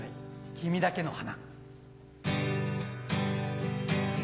『君だけの花』。